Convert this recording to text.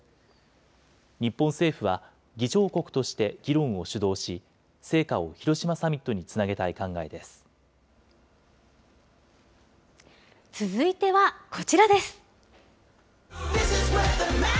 日本政府は、議長国として議論を主導し、成果を広島サミットにつ続いてはこちらです。